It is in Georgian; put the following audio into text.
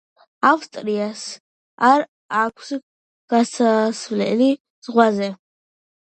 ავსტრიას არ აქვს გასასვლელი ზღვაზე.